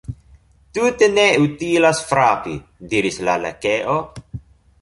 "Tute ne utilas frapi," diris la Lakeo."